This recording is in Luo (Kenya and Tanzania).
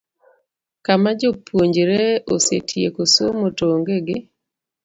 Kama japuonjre osetieko somo to oonge gi